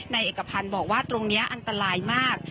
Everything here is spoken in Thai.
นายเอกพันธ์บอกว่าตรงนี้อันตรายมาก